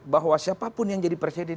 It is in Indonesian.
bahwa siapapun yang jadi presiden